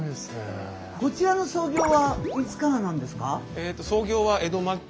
こちらの創業はいつからなんですか？